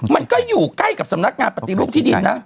มันก็อยู่ใกล้กับสำนักงานปฏิรูปที่ดินนะ